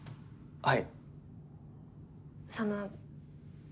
はい。